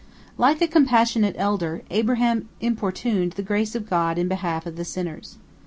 " Like a compassionate father, Abraham importuned the grace of God in behalf of the sinners.